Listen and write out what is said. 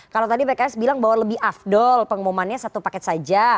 kalau tadi pks bilang bahwa lebih afdol pengumumannya satu paket saja